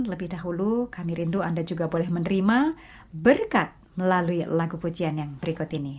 lebih dahulu kami rindu anda juga boleh menerima berkat melalui lagu pujian yang berikut ini